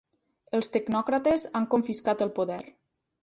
Els tecnòcrates han confiscat el poder.